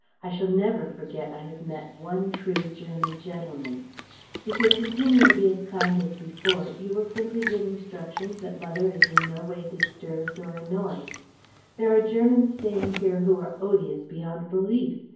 I shall never forget I have met one true German gentleman if you'll continue to be as kind as before, you will simply give instructions that mother is in no way disturbed or annoyed. There are Germans staying here who are odious beyond belief.